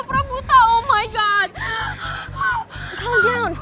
wait apaan itu